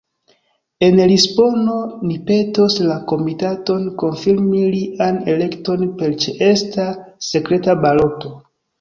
En Lisbono ni petos la Komitaton konfirmi lian elekton per ĉeesta sekreta baloto.